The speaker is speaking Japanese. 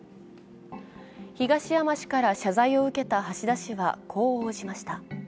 東山氏から謝罪を受けた橋田氏はこう応じました。